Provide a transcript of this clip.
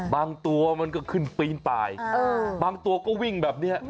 บางตัวมันก็ขึ้นปีนไปบางตัวก็วิ่งแบบนี้